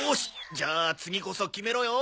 じゃあ次こそ決めろよ。